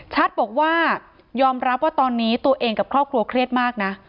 บอกว่ายอมรับว่าตอนนี้ตัวเองกับครอบครัวเครียดมากนะ